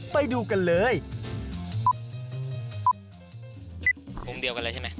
ไปดูกันเลย